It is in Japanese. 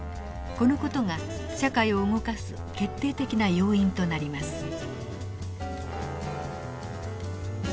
この事が社会を動かす決定的な要因となります。